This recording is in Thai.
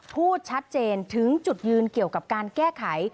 พูดชัดเจนถึงจุดยืนเกี่ยวกับการแก้ไข